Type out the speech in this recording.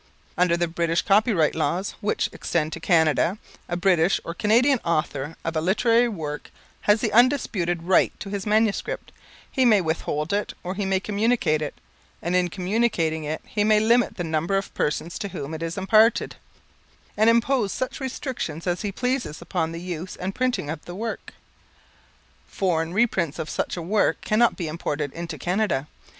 Under the British Copyright Laws, which extend to Canada, a British or Canadian author of a literary work has the undisputed right to his manuscript; he may withhold, or he may communicate it, and in communicating it he may limit the number of persons to whom it is imparted, and impose such restrictions as he pleases upon the use and printing of the work. Foreign reprints of such a work cannot be imported into Canada.